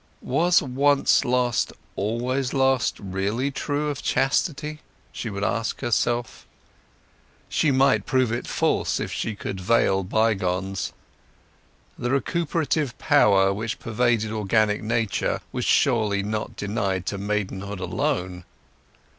Was once lost always lost really true of chastity? she would ask herself. She might prove it false if she could veil bygones. The recuperative power which pervaded organic nature was surely not denied to maidenhood alone.